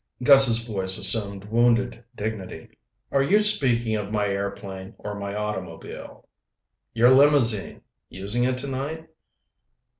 Gus's voice assumed wounded dignity. "Are you speaking of my airplane or my automobile?" "Your limousine. Using it tonight?"